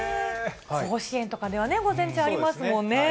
甲子園とかでは午前中ありますもんね。